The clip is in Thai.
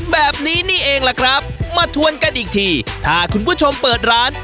แบบนี้นี่เองล่ะครับมาทวนกันอีกทีถ้าคุณผู้ชมเปิดร้าน